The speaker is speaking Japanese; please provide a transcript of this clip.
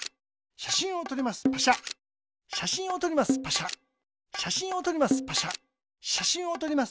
しゃしんをとります。